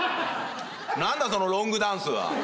何だそのロングダンスは？